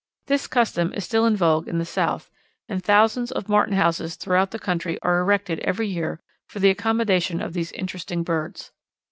This custom is still in vogue in the South, and thousands of Martin houses throughout the country are erected every year for the accommodation of these interesting birds.